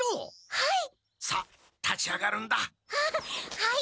はい。